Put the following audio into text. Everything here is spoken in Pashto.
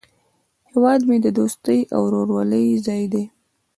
هیواد مې د دوستۍ او ورورولۍ ځای دی